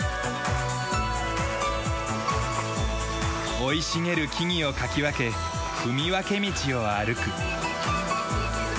生い茂る木々をかき分け踏み分け道を歩く。